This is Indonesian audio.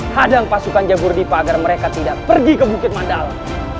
hadang pasukan jamur dipa agar mereka tidak pergi ke bukit mandala